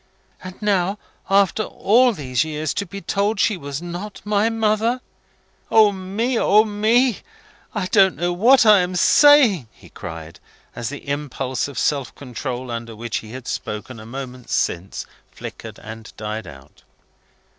And now, after all these years, to be told she was not my mother! O me, O me! I don't know what I am saying!" he cried, as the impulse of self control under which he had spoken a moment since, flickered, and died out.